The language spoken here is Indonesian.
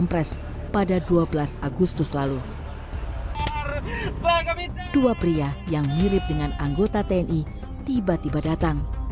berusaha untuk mencari pekerjaan